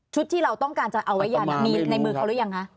ที่เราต้องการจะเอาไว้ยันมีในมือเขาหรือยังคะ